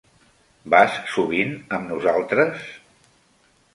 Vas sovint amb nosaltres?